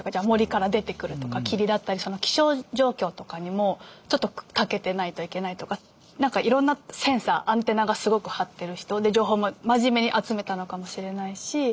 森から出てくるとか霧だったりその気象状況とかにもちょっと長けてないといけないとかなんかいろんなセンサーアンテナがすごく張ってる人で情報も真面目に集めたのかもしれないし。